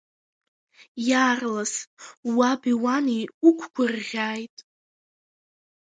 Иаарлас уаби уани уқәгәырӷьааит!